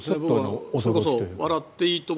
それこそ「笑っていいとも！」